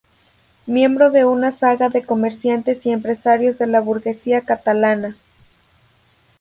Miembro de una saga de comerciantes y empresarios de la burguesía catalana.